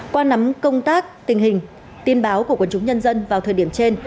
qua nắm công tác tình hình tin báo của quân chúng nhân dân vào thời điểm trên